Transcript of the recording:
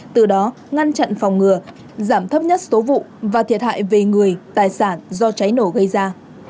từ đó ngăn chặn phòng ngừa giảm thấp nhất số vụ và thiệt hại về người tài sản do cháy nổ gây ra